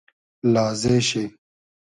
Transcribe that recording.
لازې شی